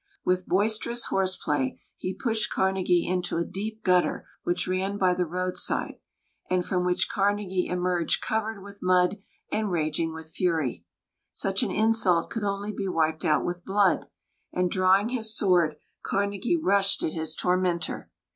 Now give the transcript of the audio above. With boisterous horseplay, he pushed Carnegie into a deep gutter which ran by the roadside, and from which Carnegie emerged covered with mud and raging with fury. Such an insult could only be wiped out with blood; and, drawing his sword, Carnegie rushed at his tormentor.